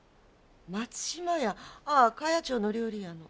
松島屋ああ茅町の料理屋の？